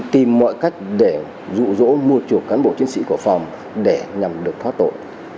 tìm mọi cách để dụ dỗ mua chuộc cán bộ chiến sĩ của phòng để nhằm được thoát tội